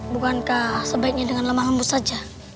bukankah sebaiknya dengan lemah lembut saja